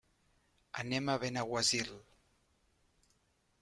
Anem a Benaguasil.